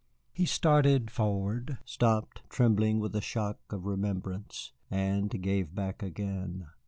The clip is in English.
He started forward, stopped, trembling with a shock of remembrance, and gave back again.